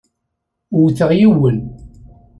Wteɣ yiwen.